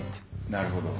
なるほど。